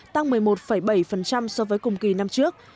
tăng một mươi một bảy so với cùng kỳ năm trước